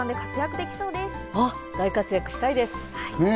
大活躍したいです。